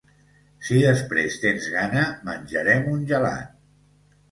Si després tens gana, menjarem un gelat.